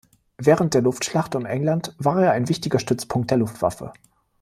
Während der Luftschlacht um England war er ein wichtiger Stützpunkt der Luftwaffe.